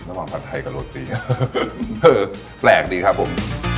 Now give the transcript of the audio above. ผัดไทยกับโรตีแปลกดีครับผม